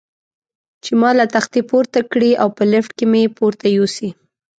چې ما له تختې پورته کړي او په لفټ کې مې پورته یوسي.